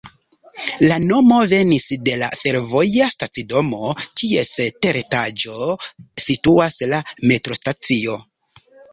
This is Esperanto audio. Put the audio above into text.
La nomo venis de la fervoja stacidomo, kies teretaĝo situas la metrostacio.